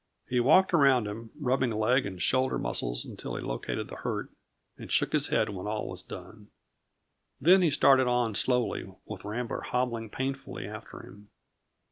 He walked around him, rubbing leg and shoulder muscles until he located the hurt, and shook his head when all was done. Then he started on slowly, with Rambler hobbling painfully after him.